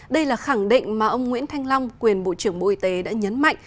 đây là khẳng định mà ông nguyễn thanh long quyền bộ trưởng bộ y tế đã nhấn mạnh